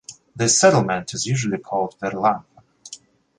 This settlement is usually called Verlamion.